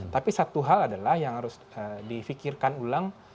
tapi satu hal adalah yang harus di fikirkan ulang